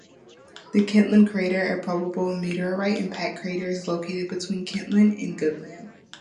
The Kentland crater, a probable meteorite impact crater, is located between Kentland and Goodland.